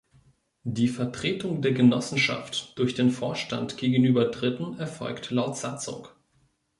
Die Vertretung der Genossenschaft durch den Vorstand gegenüber Dritten erfolgt laut Satzung.